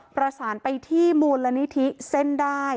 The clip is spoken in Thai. ประสานไปที่มูลนิธิเส้นได้